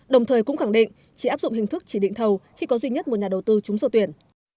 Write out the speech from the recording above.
đồng thời cũng khẳng định chỉ áp dụng hình thức chỉ định thầu khi có duy nhất một nhà đầu tư chúng sơ tuyển